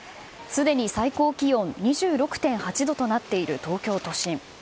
すでに最高気温２６．８度となっている東京都心。